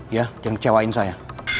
ya jangan kecewain saya